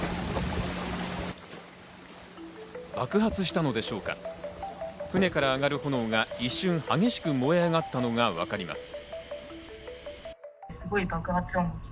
爆発したのでしょうか、船から上がる炎が一瞬、激しく燃え上がったのがわかります。